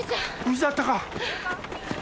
無事だったか